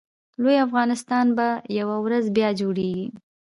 لوی افغانستان به یوه ورځ بیا جوړېږي